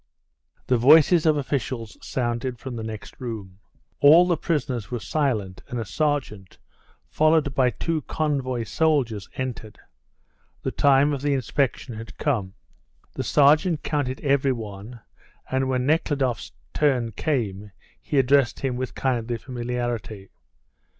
The voices of officials sounded from the next room. All the prisoners were silent, and a sergeant, followed by two convoy soldiers, entered. The time of the inspection had come. The sergeant counted every one, and when Nekhludoff's turn came he addressed him with kindly familiarity.